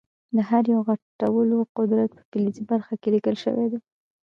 د هر یو د غټولو قدرت په فلزي برخه کې لیکل شوی دی.